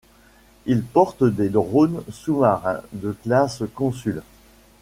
Il porte des drones sous-marins de classe Konsul.